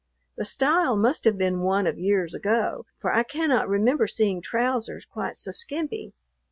The style must have been one of years ago, for I cannot remember seeing trousers quite so skimpy.